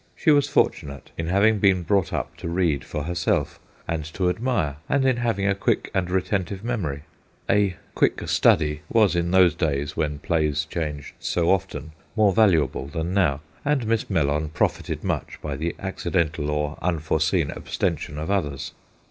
She was fortunate in having been brought up to read for herself, and to admire, and in having a quick and retentive memory. A 'quick study' was, in those days, when plays changed so often, more valuable than now, and Miss Mellon profited much by the accidental or unforeseen abstention of others.